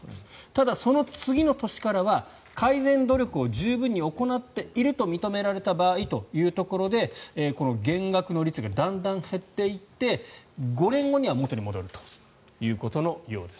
ただ、その次の年からは改善努力を十分に行っていると認められた場合というところでこの減額の率がだんだん減っていって５年後には元に戻るということのようです。